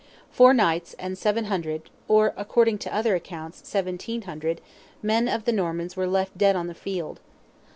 Four knights and seven hundred (or, according to other accounts, seventeen hundred) men of the Normans were left dead on the field.